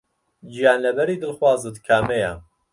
گیانلەبەری دڵخوازت کامەیە؟